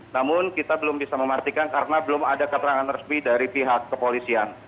namun kita belum bisa memastikan karena belum ada keterangan resmi dari pihak kepolisian